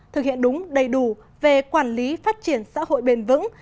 thực hiện đúng đầy đủ về quản lý phát triển xã hội bền vững